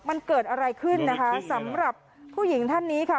มันเกิดอะไรขึ้นนะคะสำหรับผู้หญิงท่านนี้ค่ะ